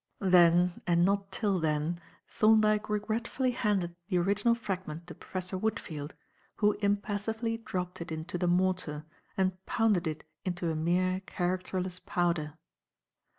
Then, and not till then, Thorndyke regretfully handed the original fragment to Professor Woodfield, who impassively dropped it into the mortar and pounded it into a mere characterless powder.